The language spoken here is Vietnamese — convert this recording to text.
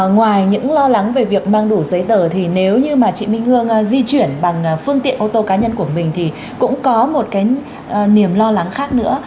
ngoài những lo lắng về việc mang đủ giấy tờ thì nếu như mà chị minh hương di chuyển bằng phương tiện ô tô cá nhân của mình thì cũng có một cái niềm lo lắng khác nữa